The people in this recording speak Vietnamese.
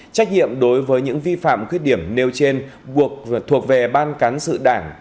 trách nhiệm đối với những vi phạm khuyết điểm nêu trên thuộc về ban cán sự đảng